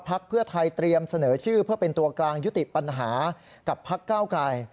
เพื่อไทยเตรียมเสนอชื่อเพื่อเป็นตัวกลางยุติปัญหากับพักเก้าไกล